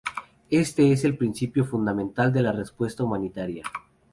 Este es el principio fundamental de la respuesta humanitaria.